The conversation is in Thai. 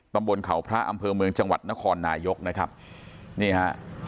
ตำบลเขาพระอำเภอเมืองจังหวัดนครนายกนะครับนี่ฮะ